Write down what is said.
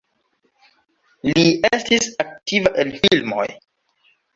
Li estis aktiva en filmoj.